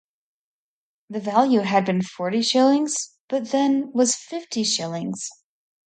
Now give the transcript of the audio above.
The value had been forty shillings., but was then fifty shillings.